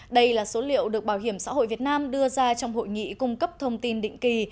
đây là số liệu được bảo hiểm xã hội việt nam đưa ra trong hội nghị cung cấp thông tin định kỳ